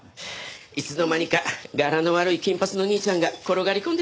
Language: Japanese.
いつの間にか柄の悪い金髪の兄ちゃんが転がり込んでたみたいだけど。